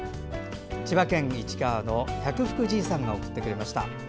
千葉県市川の百福じいさんが送ってくれました。